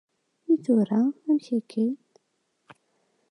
I tura, amek akken?